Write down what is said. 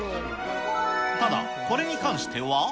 ただ、これに関しては。